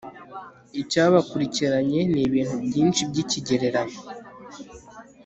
icyabakurikiranye ni ibintu byinshi byikigereranyo